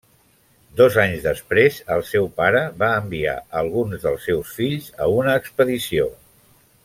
Dos anys després, el seu pare va enviar alguns dels seus fills a una expedició.